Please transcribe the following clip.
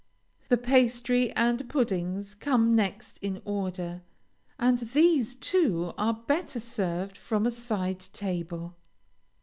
The pastry and puddings come next in order, and these, too, are better served from a side table.